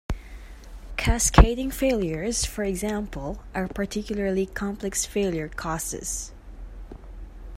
Cascading failures, for example, are particularly complex failure causes.